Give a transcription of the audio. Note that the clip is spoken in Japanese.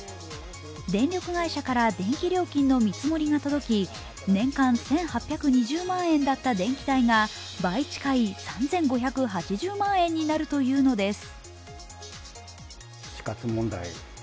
電力会社から電気料金に見積もりが届き、年間１８２０万円だった電気代が倍近い３５８０万円になるというのです。